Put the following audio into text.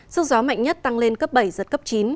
sức gió mạnh nhất tăng lên cấp bảy giật cấp chín